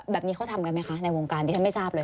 แบบนี้เขาทำกันไหมคะในวงการดิฉันไม่ทราบเลย